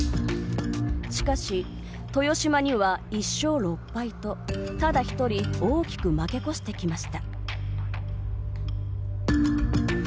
しかし、豊島には１勝６敗とただひとり大きく負け越してきました。